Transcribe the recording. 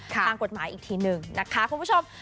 ทางกฎหมายอีกทีหนึ่งนะคะคุณผู้ชม